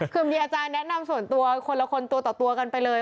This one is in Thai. คือมีอาจารย์แนะนำส่วนตัวคนละคนตัวต่อตัวกันไปเลย